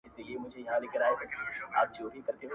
o جت مي تک تور، نې عېب سته نه پېغور٫